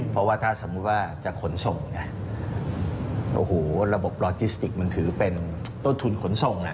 เพราะว่าถ้าสมมุติว่าจะขนส่งนะโอ้โหระบบลอจิสติกมันถือเป็นต้นทุนขนส่งอ่ะ